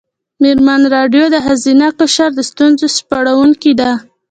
مېرمن راډیو د ښځینه قشر د ستونزو سپړونکې ده.